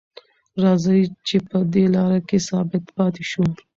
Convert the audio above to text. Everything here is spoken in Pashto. راځئ چې په دې لاره کې ثابت پاتې شو.